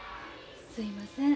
すいません。